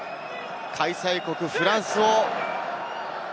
開催国フランスを。